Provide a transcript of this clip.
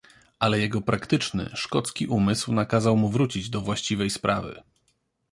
"Ale jego praktyczny, szkocki umysł nakazał mu wrócić do właściwej sprawy."